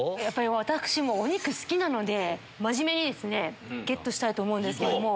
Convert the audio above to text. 私もお肉好きなので真面目にですねゲットしたいと思うんですけども。